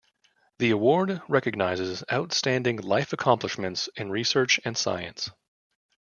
The award recognizes outstanding life accomplishments in research and science.